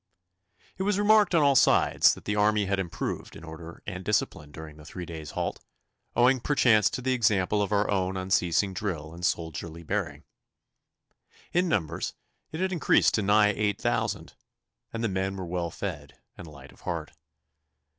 It was remarked on all sides that the army had improved in order and discipline during the three days' halt, owing perchance to the example of our own unceasing drill and soldierly bearing. In numbers it had increased to nigh eight thousand, and the men were well fed and light of heart.